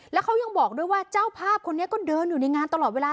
แล้วเขายังบอกด้วยว่าเจ้าภาพคนนี้ก็เดินอยู่ในงานตลอดเวลา